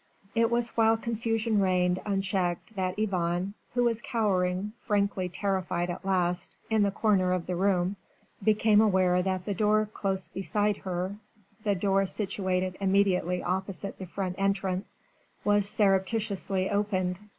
It was while confusion reigned unchecked that Yvonne who was cowering, frankly terrified at last, in the corner of the room, became aware that the door close beside her the door situated immediately opposite the front entrance was surreptitiously opened.